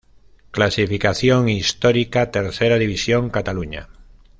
Clasificación Histórica Tercera División Cataluña